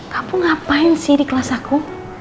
kamu ngapain sih di kelas aku